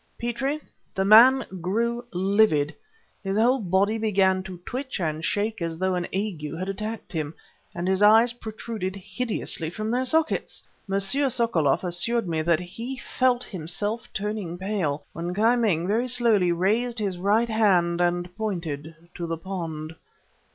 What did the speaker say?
"Petrie the man grew livid, his whole body began to twitch and shake as though an ague had attacked him; and his eyes protruded hideously from their sockets! M. Sokoloff assured me that he felt himself turning pale when Ki Ming, very slowly, raised his right hand and pointed to the pond.